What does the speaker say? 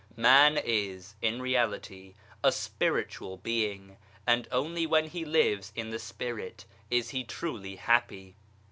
Man is, in reality, a Spiritual being, and only when he lives in the spirit is he truly happy.